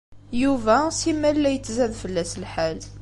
Yuba simal la yettzad fell-as lḥal.